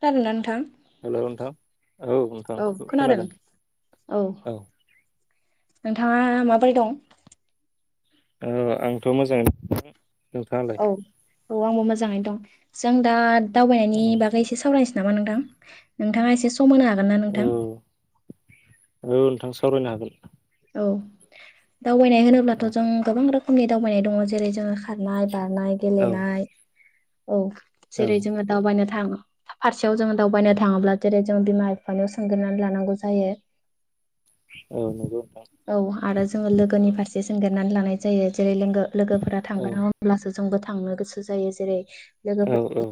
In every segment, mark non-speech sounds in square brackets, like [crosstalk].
खोनादोंना नोंथां? हेलौ नोंथां। औ नोंथां खोनादों औ। नोंथाङा माबोरै दं? ओ आंथ' मोजाङै नोंथाङालाय औ औ आंबो मोजाङै दं। जों दा औ दावबायनायनि बागै एसे सावरायस नामा नोंथां नोंथाङा एसे सम होनो हागोन ना औ नोंथां? औ नोंथां सावरायनो हागोन। औ दावबायनाय होनोब्लाथ' औ जों गोबां रोख नि दावबायनाय दङ जेरै जोङो खारनाय बारनाय औ गेलेनाय औ औ जेरै जोङो दावबायनो थां फारसे जोङो दावबायनो थाङोब्ला जेरै जों बिमा बिफानियाव सोंग्रोनानै लानांगौ जायो। औ नोंथां औ आरो जोङो लोगोनि फारस सोंगोरनानै लानाय जायो जेरै लोंगो लोगोफोरा औ थांगोन [unintelligible] होनब्लासो जोंबो थांनो गोसो जायो जेरै लोगो औ औ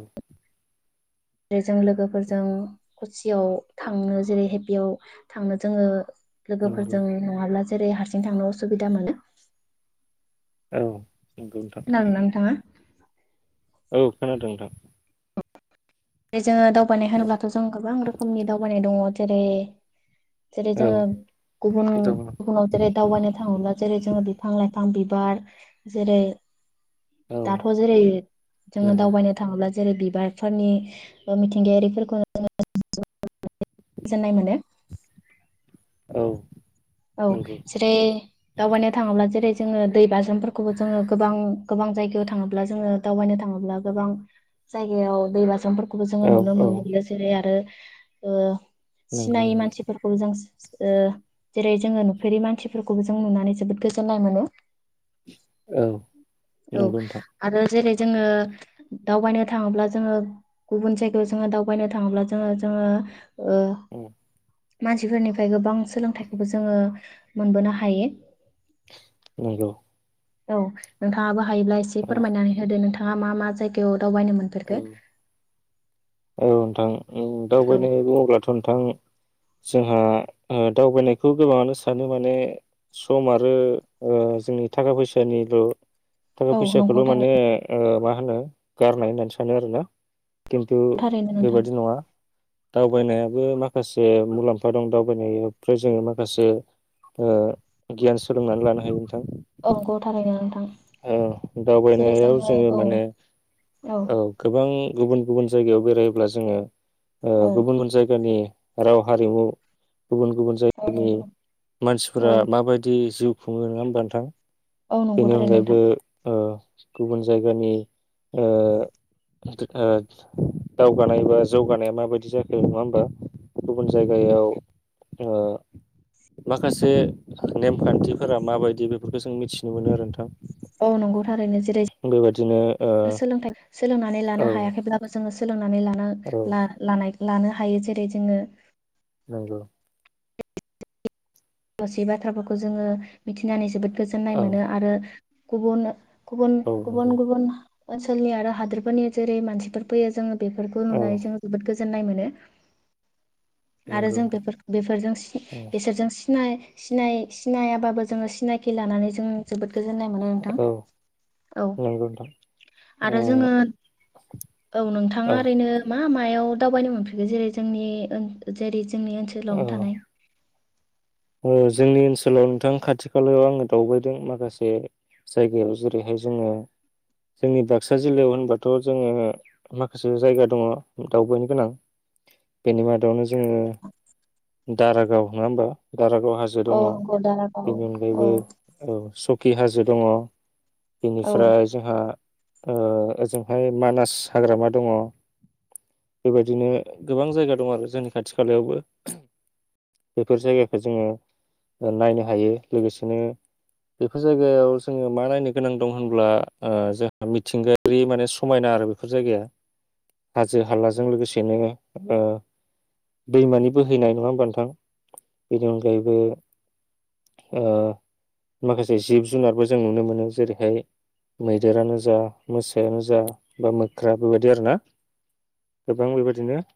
जेरै जों लोगोफोरजों कुसियाव थांनो जेरैहाय बेयाव थांनो जोङो लोगोफोरजों नङाब्ला जेरै हारसिं थांनो उसुबिदा मोनो औ नंगौ नोंथां खोनादोंना नोंथाङा? औ खोनादों नोंथां जोङो दावबायनाय होनोब्लाथ' जों गोबां रोखोमनि दावबाय नै दङ जेरै जेरै औ जोङो गुबुन दङ गुबुनाव जेरै दावबायनो थाङोब्ला जेरै जोङो बि बिफां लाइफां बिबार जेरै औ दाथ' जेरै जोङो नंगौ दावबायनो थाङोब्ला जेरै बिबारफोरनि ओ मिथिंगायारिफोरखौ [unintelligible] गोजोननाय मोनो औ औ नंगौ जेरै दावबायनो थाङोब्ला जेरै जोङो दै बाज्रुमफोरखौबो जोङो गोबां गोबां जायगायाव थाङोब्ला जोङो दावबायनो थाङोब्ला गोबां जायगायाव दै बाज्रुमफोर खौबो जोङो औ नुनो औ मोनबो [unintelligible] आरो ओ नंगौ सिनायि नंगौ मानसिफोरखौबो जोंस ओ जेरै जोंङो नुफेरि मानसिफोरखौबो जों नुनानै जोबोद गोजोन्नाय मोनो। औ औ नंगौ नोंथां आरो जेरै जोंङो दावबायनो थांङोब्ला जोंङो गुबुन जायगायाव जोंङो दावबायनो थांङोब्ला जोंङो जोंङो ओ मानसिफोरनिफ्राय गोबां सोलोंथाइखौबो जोंङो मोनबोनो हायो। नंगौ। औ नोंथांङाबो हायोब्ला एसे औ फोरमायनानै होदो नोंथां। थांङा मा मा जायगायाव दावबायनो मोनफोरखो? औ नोंथां। उम दावबायनाय बुंङोब्लाथ' नोंथां। जोंहा ओ दावबायनायखौ गोबांङानो सानो माने सम आरो ओ जोंनि थाखा फैसानिल' थाखा औ नंगौ फैसाखौल' थारै माने ओ मा होनो गारनाय होननानै सानो आरोना? थारैनो नोंथां। बेबादि नङा दावबायनायाबो माखासे मुलाम्फा दं दावबाय नायफ्राय जोंङो माखासे ओ गियान सोलोंनानै लानो हायो नोंथां। औगौ थारैनो नोंथां। औ जेरै दावबायनायाव जोङो जोंङो औ माने औ गोबां गुबुन गुबुन जायगायाव बेरायोब्ला जोंङो ओ औ गुबुन गुबुन जायगानि राव हारिमु गुबुन गुबुन औ जायगानि नंगौ औ मानसिफोरा माबायदि जिव खुङो नंङा होनबा नोथां? औ नंगौथारै नोंथां। ओ गुबुन जायगानि ओ दि दावगानाय बा जौगानाया माबायदि जाखो नंङा होमबा गुबुन जायगायाव ओ माखासे नेम खान्थिफोरा माबायदि बेफोरखो‌ जों मिथि मोनो आरो नोंथां। औ नंगौ थारैनो जेरै बेबायदिनो ओ सोलोंथाय सोलोंनानै औ लानो हायाखैब्लाबो जोंङो नानै लानो ला औ ला लानाय लानो हायो जेरै जोंङो नंगौ। गासै बाथ्राफोरखौ जोंङो मिथिनानै जोबोद गोजोननाय औ मोनो आरो गुबुन गुबुन औ नंगौ गुबुन गुबुन ओनसोलनि आरो हादोरफोरनि जेरै मानसिफोर फैयो जोङो बेफोरखौ औ नुनानै जों जोबोद गोजो गोजोननाय मोनो। आरो नंगौ जों बे नोंथां बेफोर बफोरजों बेसोरजों सिनाय सिनाय सिनायाबाबो जोङो सिनाखि लानानै जों जोबोद गोजोननाय मोनो नोंथां औ औ नंगौ नोंथां आरो ओ जोङो औ नोंथाङा औ ओरैनो मा मा मायाव दावबायनो मोनफेरगो जेरै जोंनि ओन [unintelligible] जोंनि ओनसोलावनो औ थानाय ओ जोंनि ओनसोलाव नोंथां खाथि खालायाव आङो दावबायदों माखासे जायगायाव जेरैहाय जोङो जोंनि बाक्सा जिल्लायाव होनबाथ' जोङो माखासे जायगा दङ दावबायनो गोनां बेनि मादावनो जोङो दारागाव नङा होमबा? दारागाव हाजो औ दङ नंगौ दारागाव बेनि औ अनगायैबो औ स खि हाजो दङ। औ बेनिफ्राय जोंहा ओ ओजोंहाय मानास हाग्रामा दङ बेबायदिनो गोबां जायगा दङ आरो जोंनि खाथि खालायावबो। बेफोर जायगाखो जोङो नायनो हायो लोगोसेनो बेफोर जायगायाव जोङो मा नायनो गोनां दं होनब्ला ओ जोंहा मिथिंगायारि माने समायना आरो बेफोर जायगाया हाजो हालाजों लोगोसेनो ओ दैमानि बोहैनाय नङा होमबा नोंथां बेनि अनगायैबो ओ माखासे जिब जुनारबो जों नुनो मोनो जेरैहाय मैदेरानो जा मोसायानो जा बा मोख्रा बेबायदि आरोना गोबां बेबायदिनो बेबायाददिनो